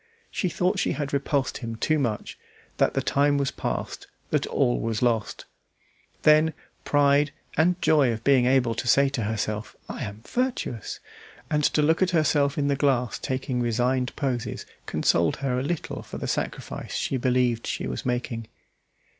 She thought she had repulsed him too much, that the time was past, that all was lost. Then, pride, and joy of being able to say to herself, "I am virtuous," and to look at herself in the glass taking resigned poses, consoled her a little for the sacrifice she believed she was making.